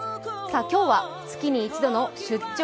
今日は月に１度の「出張！